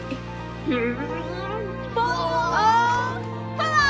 パワー！